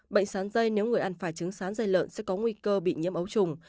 bệnh sán dây nếu người ăn phải trứng sán dây lợn sẽ có nguy cơ bị nhiễm ấu trùng